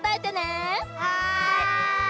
はい！